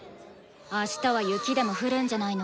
あしたは雪でも降るんじゃないの？